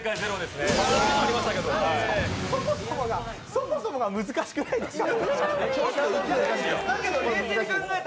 そもそもが難しくないですか。